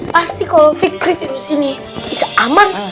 pasti kalau fikri tidur di sini aman